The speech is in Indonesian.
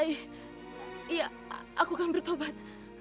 iya aku akan bertobat